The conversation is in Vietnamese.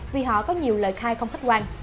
vì họ có nhiều lời khai không khách quan